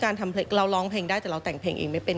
เราร้องเพลงได้แต่เราแต่งเพลงเองไม่เป็น